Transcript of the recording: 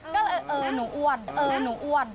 ก็เรียกหนูอ้วน